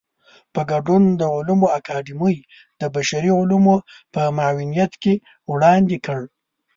په ګډون د علومو اکاډمۍ د بشري علومو په معاونيت کې وړاندې کړ.